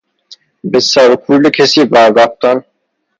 به سر و کول کسی وررفتن